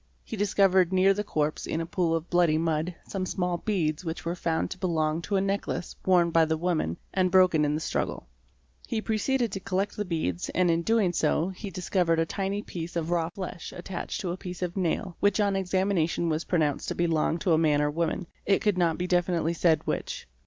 He discovered near the corpse in a pool of bloody mud some small beads which were found to belong to a necklace worn by the woman and broken in the struggle. He preceded to collect the beads and in doing so, he discovered a tiny piece of raw fleshattached to a piece of nail, which on examination was pronounced to belong to a man or a woman, it could not be definitely said which.